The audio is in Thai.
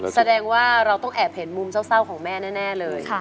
แสดงว่าเราต้องแอบเห็นมุมเศร้าของแม่แน่เลย